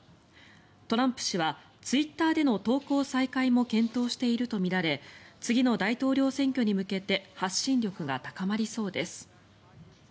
トランプ氏はツイッターでの投稿再開も検討しているとみられ次の大統領選挙に向けて発信力が高まりそうです。